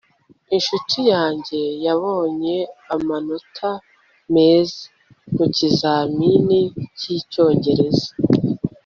inshuti yanjye yabonye amanota meza mukizamini cyicyongereza